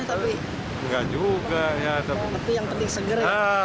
tapi yang penting segar